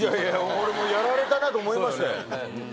俺もやられたなと思いましたよ。